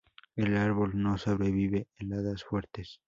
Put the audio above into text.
El árbol no sobrevive heladas fuertes.